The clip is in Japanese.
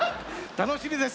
楽しみです